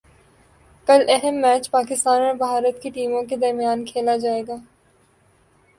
کل اہم میچ پاکستان اور بھارت کی ٹیموں کے درمیان کھیلا جائے گا